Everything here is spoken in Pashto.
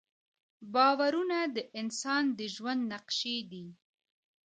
باورونه د انسان د ژوند نقشې دي.